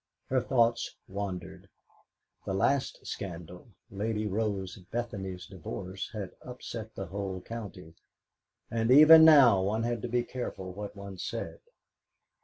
Her thoughts wandered. The last scandal Lady Rose Bethany's divorce had upset the whole county, and even now one had to be careful what one said.